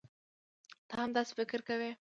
تۀ هم داسې فکر کوې؟